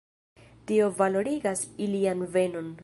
Tio valorigas ilian venon.